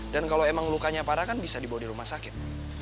dan kalau emang lukanya parah kan bisa dibawa ke rumah sakit